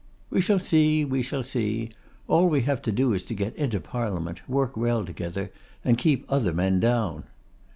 'We shall see, we shall see. All we have to do is to get into Parliament, work well together, and keep other men down.